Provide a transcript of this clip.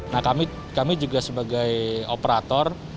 nah kami juga sebagai operator